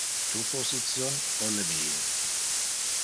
Tu position o le mie?